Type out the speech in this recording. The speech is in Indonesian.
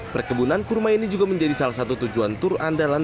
perkebunan kurma ini juga menjadi salah satu tujuan tur andalan